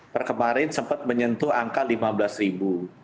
perkemarin sempat menyentuh angka lima belas ribu